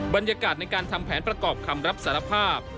บรรยากาศในการทำแผนประกอบคำรับสารภาพ